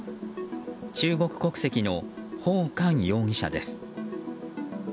中国国籍のホウ・カン容疑者です。